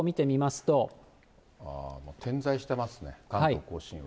点在してますね、関東甲信も。